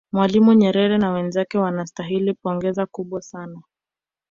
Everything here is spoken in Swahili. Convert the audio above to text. mwalimu nyerere na wenzake wanastahili pongezi kubwa sana